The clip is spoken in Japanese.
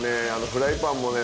フライパンもね